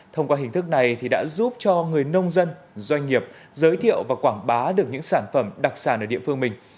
thông qua hình thức này đã giúp cho người nông dân doanh nghiệp giới thiệu và quảng bá được những sản phẩm đặc sản ở địa phương mình